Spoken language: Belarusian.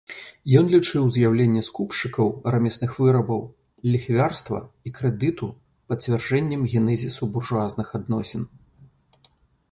Ён лічыў з'яўленне скупшчыкаў рамесных вырабаў, ліхвярства і крэдыту пацвярджэннем генезісу буржуазных адносін.